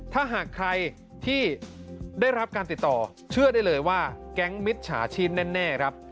ถ้าหากใครที่ได้รับการติดต่อเชื่อได้เลยว่าแก๊งมิจฉาชีพแน่ครับ